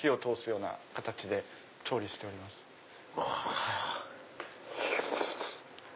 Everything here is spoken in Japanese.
うわ。